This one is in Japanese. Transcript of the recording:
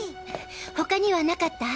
ほかにはなかった？